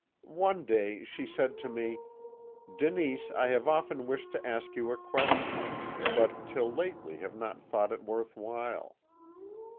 One day she said to me: "'Denise, I have often wished to ask you a question, but till lately have not thought it worth while.'